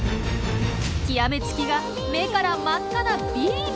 極め付きが目から真っ赤なビーム！